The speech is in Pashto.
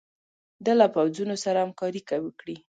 ده له پوځونو سره همکاري وکړي.